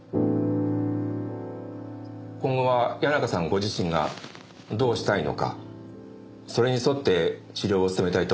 今後は谷中さんご自身がどうしたいのかそれに沿って治療を進めたいと思うのですが。